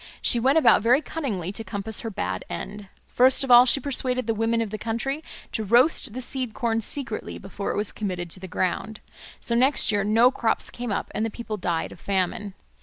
She went about very cunningly to compass her bad end. First of all she persuaded the women of the country to roast the seed corn secretly before it was committed to the ground. So next year no crops came up and the people died of famine.